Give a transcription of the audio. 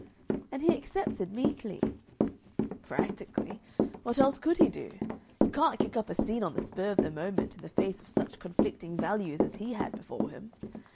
"And he accepted meekly?" "Practically. What else could he do? You can't kick up a scene on the spur of the moment in the face of such conflicting values as he had before him.